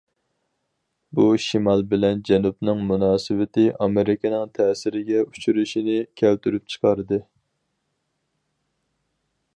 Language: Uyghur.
بۇ شىمال بىلەن جەنۇبنىڭ مۇناسىۋىتى ئامېرىكىنىڭ تەسىرىگە ئۇچرىشىنى كەلتۈرۈپ چىقاردى.